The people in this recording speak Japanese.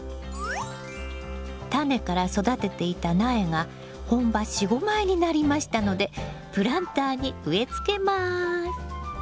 タネから育てていた苗が本葉４５枚になりましたのでプランターに植えつけます。